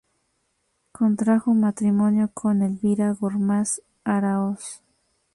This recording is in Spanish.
Contrajo matrimonio con Elvira Gormaz Aráoz.